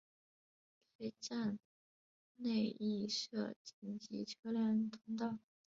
该站内亦设紧急车辆通道。